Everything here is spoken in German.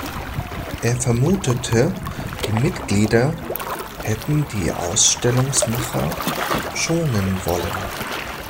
Er vermutete, die Mitglieder hätten die Ausstellungsmacher schonen wollen.